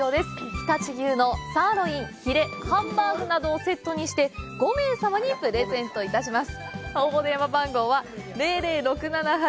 常陸牛のサーロイン、ヒレ、ハンバーグなどをセットにして５名様にプレゼントいたします。